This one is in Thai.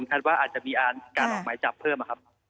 คิดว่าอาจจะมีการออกหมายจับเพิ่ม